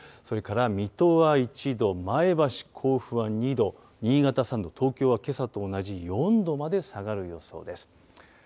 それから水戸は１度、前橋、甲府は２度、新潟３度、東京はけさと同じ４度まで下がる予想です。